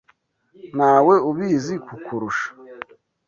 Ntawe ubizi kukurusha.